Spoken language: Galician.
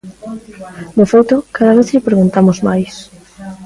De feito, cada vez lle preguntamos máis.